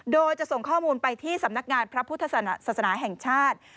โดยจะส่งข้อมูลไปที่สำนักงานพระพุทธศาสนาแห่งชาติ